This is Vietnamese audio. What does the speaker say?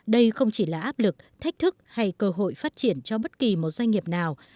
đây không chỉ là áp lực thách thức hay cơ hội phát triển cho bất kỳ một doanh nghiệp nào